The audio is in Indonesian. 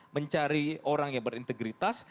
mencari orang yang berintegritas